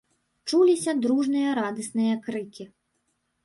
Чуліся дружныя радасныя крыкі.